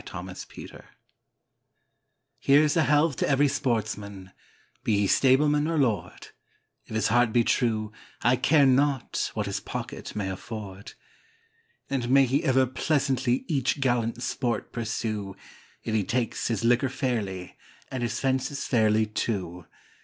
A Hunting Song Here's a health to every sportsman, be he stableman or lord, If his heart be true, I care not what his pocket may afford; And may he ever pleasantly each gallant sport pursue, If he takes his liquor fairly, and his fences fairly, too.